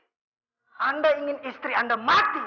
keluarga adalah salah satu kelemahan terbesar saya din